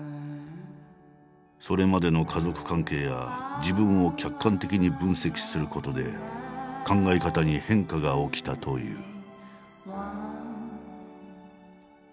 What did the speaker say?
それまでの家族関係や自分を客観的に分析することで考え方に変化が起きたという。